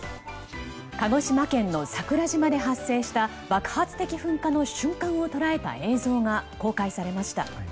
鹿児島県の桜島で発生した爆発的噴火の瞬間を捉えた映像が公開されました。